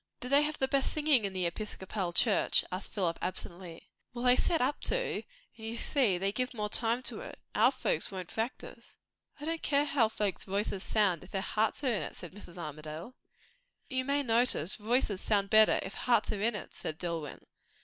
"Do they have the best singing in the Episcopal church?" asked Philip absently. "Well, they set up to; and you see they give more time to it. Our folks won't practise." "I don't care how folk's voices sound, if their hearts are in it," said Mrs. Armadale. "But you may notice, voices sound better if hearts are in it," said Dillwyn.